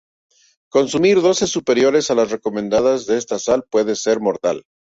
Consumir dosis superiores a las recomendadas de esta sal puede ser mortal.